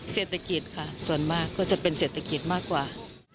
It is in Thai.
เศรษฐกิจค่ะส่วนมากก็จะเป็นเศรษฐกิจมากกว่า